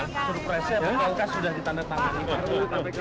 surpresi yang langka sudah ditandatangani